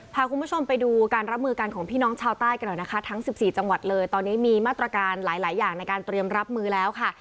พาคุณผู้ชมไปดูการรับมือกันของพี่น้องชาวใต้กันหน่อยนะคะทั้ง๑๔จังหวัดเลยตอนนี้มีมาตรการหลายหลายอย่างในการเตรียมรับมือแล้วค่ะ